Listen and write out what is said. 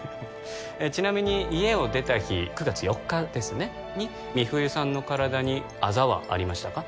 ちなみに家を出た日９月４日ですねに美冬さんの体にアザはありましたか？